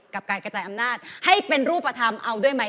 กับการกระจายอำนาจให้เป็นรูปธรรมเอาด้วยไหม